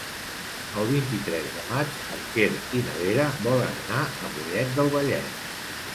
El vint-i-tres de maig en Quer i na Vera volen anar a Mollet del Vallès.